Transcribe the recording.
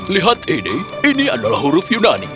lihat ini adalah huruf yunani